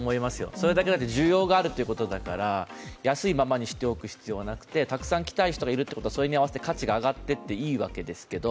それだけ需要があるということだから、安いままにしておく必要はなくて、たくさん来たい人がいるということは、それに価値を上げていいんですけど